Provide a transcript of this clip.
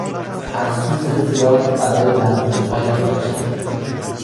افسوس زیاد برای لغزشهای گذشته